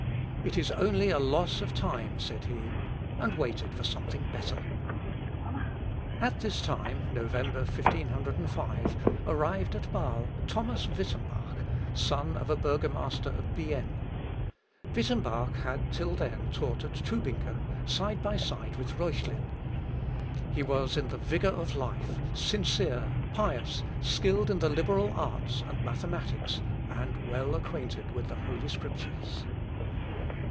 "It is only a loss of time," said he, and waited for something better. At this time, (November, 1505,) arrived at Bâle Thomas Wittembach, son of a burgomaster of Bienne. Wittembach had till then taught at Tubingen, side by side with Reuchlin. He was in the vigour of life, sincere, pious, skilled in the liberal arts, and mathematics, and well acquainted with the Holy Scriptures.